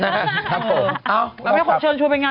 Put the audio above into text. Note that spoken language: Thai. ไงคนเชิญไปแวะ